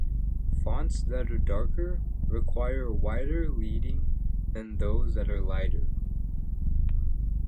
Fonts that are darker require a wider leading than those that are lighter.